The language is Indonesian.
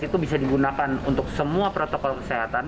itu bisa digunakan untuk semua protokol kesehatan